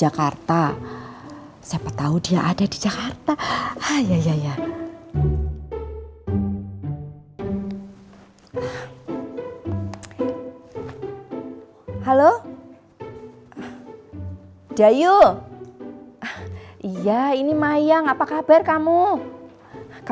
aku telepon dayu aja pak ya